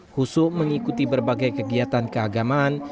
husu mengikuti berbagai kegiatan keagamaan